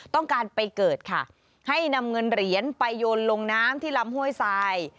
ต้องการไปเกิดค่ะให้นำเงินเหรียญไปโยนลงน้ำที่ลำห้วยทราย